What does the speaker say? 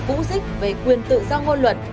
cũ dích về quyền tự do ngôn luận